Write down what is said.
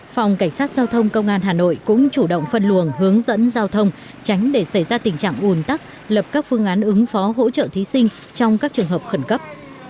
phòng cảnh sát giao thông công an hà nội cũng chủ động phân luồng hướng dẫn giao thông tránh để xảy ra tình trạng ùn tắc lập các phương án ứng phó hỗ trợ thí sinh trong các trường hợp khẩn cấp